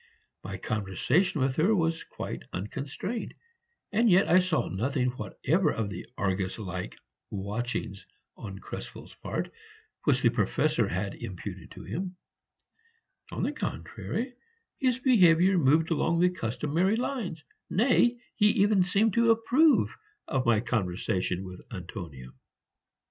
My conversation with her was quite unconstrained, and yet I saw nothing whatever of the Argus like watchings on Krespel's part which the Professor had imputed to him; on the contrary, his behavior moved along the customary lines, nay, he even seemed to approve of my conversation with Antonia.